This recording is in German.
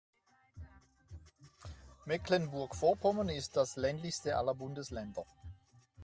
Mecklenburg-Vorpommern ist das ländlichste aller Bundesländer.